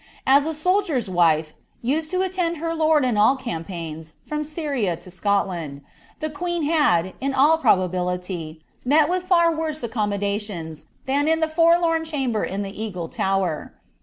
As a soldier's wife, nsed to attend her lord in all campaigns, from Syria to Scotland, the queen had, in all proba biKty, met with hr worse accommodations, than in the forlorn chamber in the Eagle Tower.